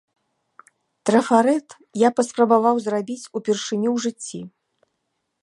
Трафарэт я паспрабаваў зрабіць упершыню ў жыцці.